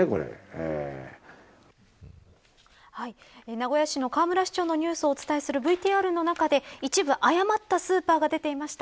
名古屋市の河村市長のニュースをお伝えするＶＴＲの中で一部誤ったスーパーが出ていました。